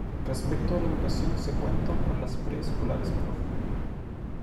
Respecto a la educación se cuenta con las pre-escolares Prof.